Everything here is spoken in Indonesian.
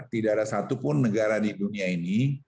tidak ada satupun negara di dunia ini